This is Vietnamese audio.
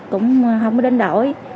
cũng không có đánh đổi